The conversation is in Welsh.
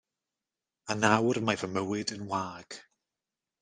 A nawr mae fy mywyd yn wag.